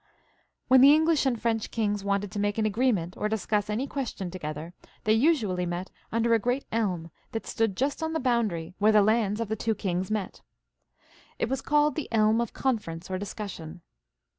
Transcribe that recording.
When the English and French kings wanted to make an agreement or discuss any question to gether, they usually met under a great elm that stood just on the boundary where the lands of the two kings met. It was called the elm of conference or discussion.